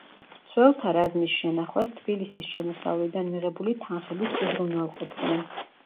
მცველთა რაზმის შენახვას თბილისის შემოსავლიდან მიღებული თანხებით უზრუნველყოფდნენ.